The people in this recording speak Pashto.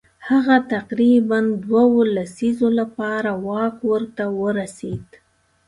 هغه تقریبا دوو لسیزو لپاره واک ورته ورسېد.